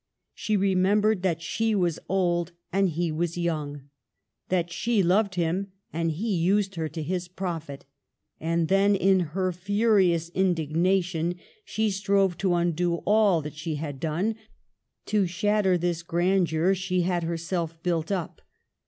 She remem bered that she was old and he was young, that she loved him and he used her to his profit ; and then, in her furious indignation, she strove to undo all that she had done, to shatter this gran deur she had herself built up.